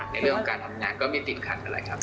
ในเรื่องของการทำงานก็มีติดขันกันเลยครับ